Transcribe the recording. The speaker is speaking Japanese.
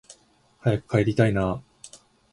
早く帰りたいなあ